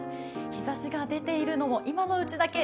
日ざしが出ているのも今のうちだけ。